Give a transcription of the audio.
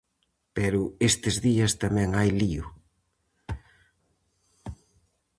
Pero estes días tamén hai lío.